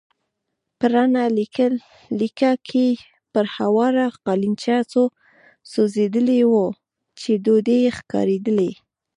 په رڼه لېکه کې پر هواره قالينچه څو سوځېدلې وچې ډوډۍ ښکارېدلې.